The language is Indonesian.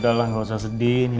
udah lah gak usah sedih nina